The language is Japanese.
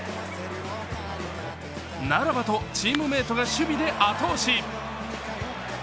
ならばとチームメートが守備で後押し。